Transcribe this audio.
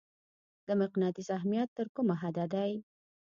د مقناطیس اهمیت تر کومه حده دی؟